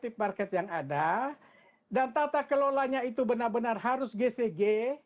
kita harus memiliki market yang ada dan tata kelolanya itu benar benar harus gcg